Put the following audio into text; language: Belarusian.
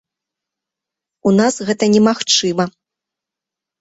У нас гэта немагчыма.